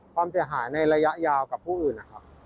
ความเสียหายในระยะยาวกับผู้อื่นนะครับ